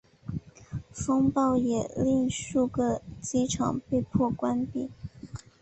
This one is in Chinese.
风暴也令数个机场被迫关闭。